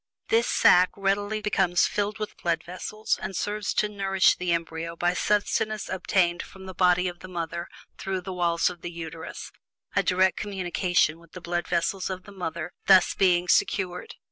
This sack readily becomes filled with blood vessels, and serves to nourish the embryo by sustenance obtained from the body of the mother through the walls of the Uterus, a direct communication with the blood vessels of the mother thus being secured.